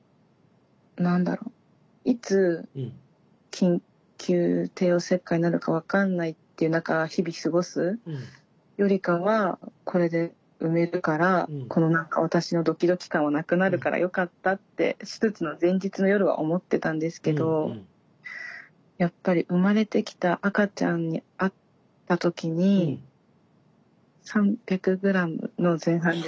何だろういつ緊急帝王切開になるか分かんないっていう中日々過ごすよりかはこれで産めるからこの私のドキドキ感はなくなるからよかったって手術の前日の夜は思ってたんですけどやっぱり生まれてきた赤ちゃんに会った時に３００ｇの前半で。